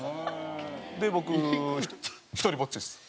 で僕ひとりぼっちです。